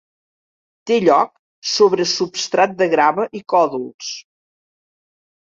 Té lloc sobre substrat de grava i còdols.